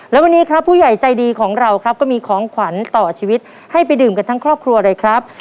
และวันนี้ครับผู้ใหญ่ใจดีของเราครับก็มีของขวัญต่อชีวิตให้ไปดื่มกันทั้งครอบครัวเลยครับ